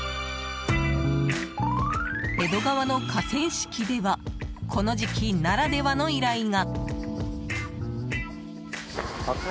江戸川の河川敷ではこの時期ならではの依頼が。